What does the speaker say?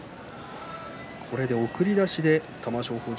これで送り出しで玉正鳳